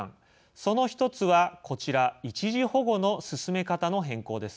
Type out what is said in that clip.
その１つは、こちら一時保護の進め方の変更です。